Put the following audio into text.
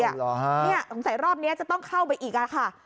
สงสัยรอบนี้จะต้องเข้าไปอีกอะค่ะ